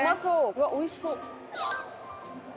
うわっおいしそう！